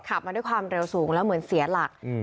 ขับมาด้วยความเร็วสูงแล้วเหมือนเสียหลัก